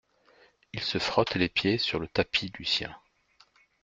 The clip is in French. Il se frotte les pieds sur le tapis Lucien .